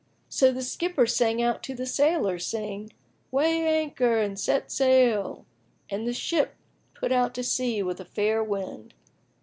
So the skipper sang out to the sailors, saying, "Weigh anchor and set sail!" And the ship put out to sea with a fair wind.